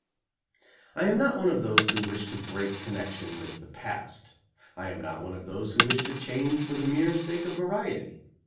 I am not one of those who wish to break connection with the past; I am not one of those who wish to change for the mere sake of variety.